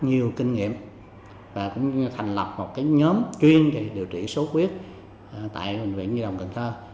nhiều kinh nghiệm và cũng thành lập một nhóm chuyên về điều trị sốt huyết tại bệnh viện nhi đồng cần thơ